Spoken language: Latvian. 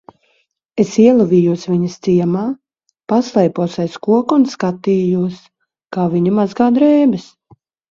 Es ielavījos viņas ciemā, paslēpos aiz koka un skatījos, kā viņa mazgā drēbes.